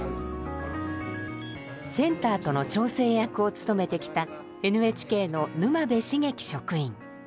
センターとの調整役を務めてきたＮＨＫの沼邉茂希職員。